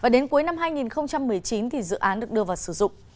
đến cuối năm hai nghìn một mươi chín dự án được đưa vào sử dụng